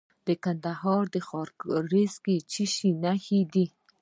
د کندهار په خاکریز کې د څه شي نښې دي؟